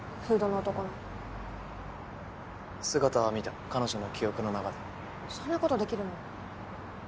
フードの男の姿は見た彼女の記憶の中でそんなことできるの？